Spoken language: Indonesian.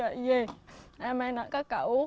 saya ingin memiliki anaknya